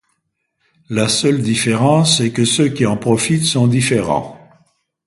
La seule différence est que ceux qui en profitent sont différents.